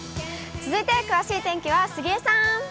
続いて詳しい天気は杉江さん。